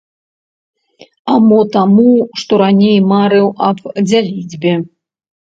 А мо таму, што раней марыў аб дзяліцьбе.